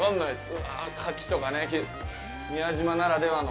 うわ、カキとかね、宮島ならではの。